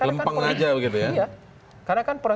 lempeng saja begitu ya